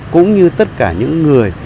cũng như tất cả những người